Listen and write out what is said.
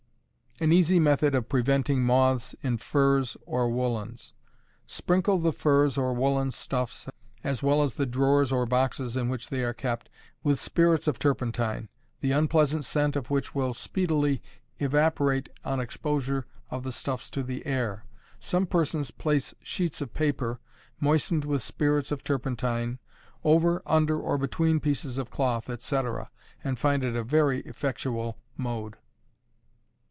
An Easy Method of Preventing Moths in Furs or Woolens. Sprinkle the furs or woolen stuffs, as well as the drawers or boxes in which they are kept, with spirits of turpentine; the unpleasant scent of which will speedily evaporate on exposure of the stuffs to the air. Some persons place sheets of paper, moistened with spirits of turpentine, over, under, or between pieces of cloth, etc., and find it a very effectual mode.